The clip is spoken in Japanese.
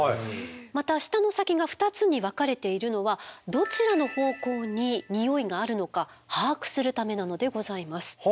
また舌の先が２つに分かれているのはどちらの方向にニオイがあるのか把握するためなのでございます。